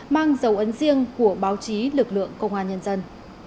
mang dấu ấn riêng của báo chí lực lượng công an nhân dân